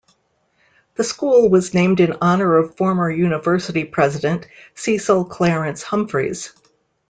The school was named in honor of former University president Cecil Clarence Humphreys.